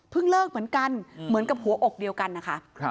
เลิกเหมือนกันเหมือนกับหัวอกเดียวกันนะคะ